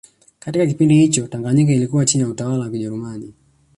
Katika kipindi hicho Tanganyika ilikuwa chini ya utawala wa Kijerumani